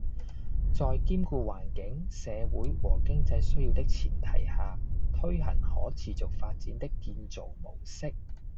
在兼顧環境、社會和經濟需要的前提下，推行可持續發展的建造模式